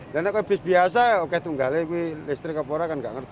dan kalau bus biasa oke tunggalnya listrik aporah kan nggak ngerti